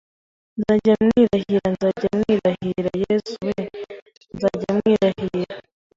"Nzajya mwirahira nzajya mwirahira, Yesu we, nzajya mwirahira.”